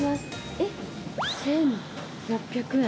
えっ１，６００円？